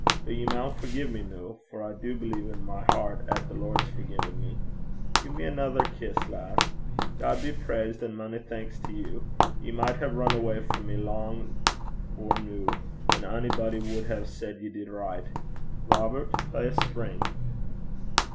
But ye maun forgie me noo, for I do believe i' my hert 'at the Lord's forgien me. Gie me anither kiss, lass. God be praised, and mony thanks to you! Ye micht hae run awa' frae me lang or noo, an' a'body wad hae said ye did richt. Robert, play a spring.'